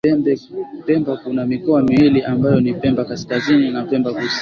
Pemba kuna mikoa miwili ambayo ni pemba kaskazini na pemba kusini